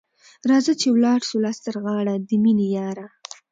راځه چي ولاړ سو لاس تر غاړه ، د میني یاره